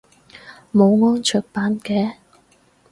冇安卓版嘅？